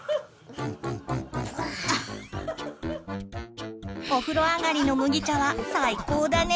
お風呂上がりの麦茶は最高だね！